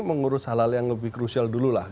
mengurus hal hal yang lebih krusial dulu lah